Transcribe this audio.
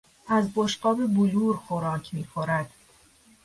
از بشقاب بلور خوراک میخورد.